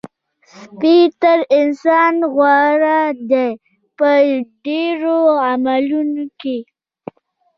سپی تر انسان غوره دی په ډېرو عملونو کې.